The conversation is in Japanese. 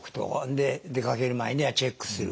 で出かける前にはチェックする。